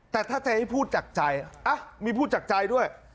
แต่ถ้าจะให้ผู้จักรใจมีผู้จักรใจด้วย